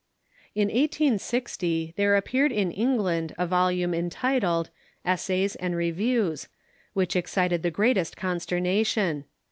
In 18G0 tliere appeared in England a volume entitled "Es says and Reviews," which excited the greatest consternation.